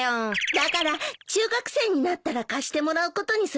だから中学生になったら貸してもらうことにするわ。